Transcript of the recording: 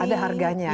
ada harganya kan